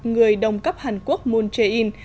người đồng cấp hàn quốc moon jae in